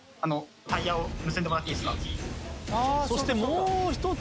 そしてもう１つ。